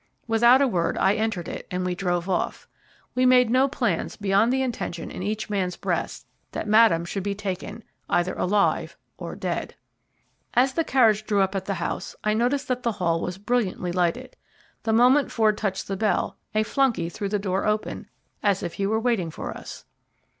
Without a word I entered it, and we drove off. We made no plans beyond the intention in each man's breast that Madame should be taken either alive or dead. As the carriage drew up at the house I noticed that the hall was brilliantly lighted. The moment Ford touched the bell a flunkey threw the door open, as if he were waiting for us.